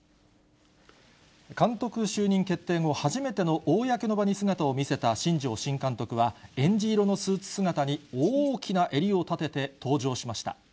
監督就任決定後、初めての公の場に姿を見せた新庄新監督は、えんじ色のスーツ姿に、大きな襟を立てて登場しました。